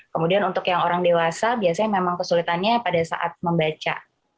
kemudian untuk yang orang dewasa biasanya memang kesulitannya pada saat membaca